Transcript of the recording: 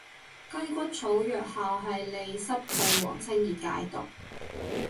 雞骨草藥效係利濕退黃清熱解毒